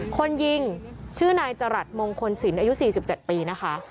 คนยิงชื่อนายจรัสมงคลสินอายุสี่สิบเจ็ดปีนะคะ